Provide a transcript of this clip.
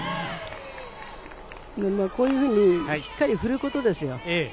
こういうふうにしっかり振ることですよ。